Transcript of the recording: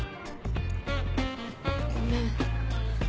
ごめん。